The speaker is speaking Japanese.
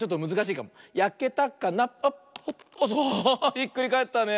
ひっくりかえったね。